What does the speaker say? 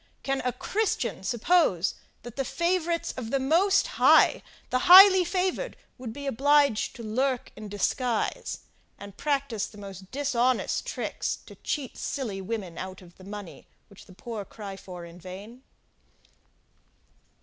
Can a Christian suppose, that the favourites of the most High, the highly favoured would be obliged to lurk in disguise, and practise the most dishonest tricks to cheat silly women out of the money, which the poor cry for in vain?